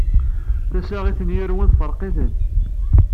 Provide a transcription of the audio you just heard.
Tassa i ten-yurwen tefreq-iten.